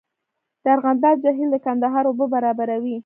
د ارغنداب جهیل د کندهار اوبه برابروي